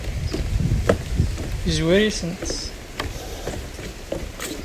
Yezwar-itent?